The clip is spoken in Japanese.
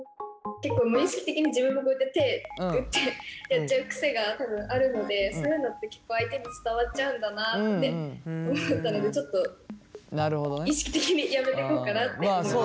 結構無意識的に自分もこうやって手をグッてやっちゃう癖が多分あるのでそういうのって結構相手に伝わっちゃうんだなって思ったのでちょっと意識的にやめていこうかなって思いました。